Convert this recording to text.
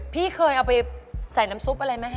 พี่เคยเอาไปใส่น้ำซุปอะไรไหม